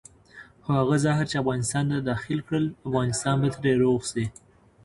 خو هغه زهر چې افغانستان ته داخل کړل افغانستان به ترې روغ شي.